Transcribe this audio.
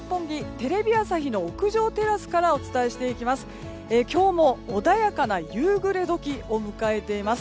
テレビ朝日の屋上テラスからお伝えしていきます。